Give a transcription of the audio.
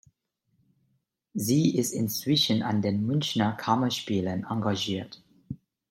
Sie ist inzwischen an den Münchner Kammerspielen engagiert.